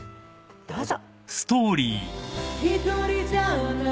どうぞ。